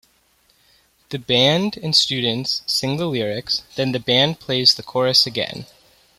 The band and students sing the lyrics, then the band plays the chorus again.